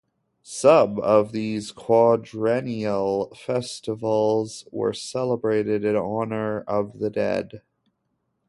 Some of these quadrennial festivals were celebrated in honor of the dead.